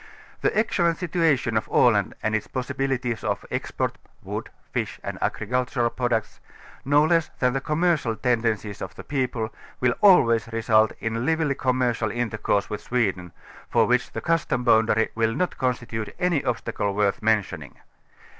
The excellent situa tion of Aland and its possibilities of export (wood, fish and agricultural products) no less than the commercial tenden cies of the people, will always result in lively commercial intercourse with Sweden, for which the custom boundary will not constitute any obstacle worth mentioning.